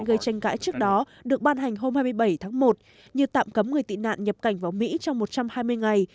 gây tranh cãi trước đó được ban hành hôm hai mươi bảy tháng một như tạm cấm người tị nạn nhập cảnh vào mỹ trong một trăm hai mươi ngày